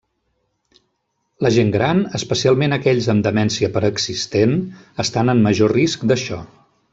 La gent gran, especialment aquells amb demència preexistent estan en major risc d'això.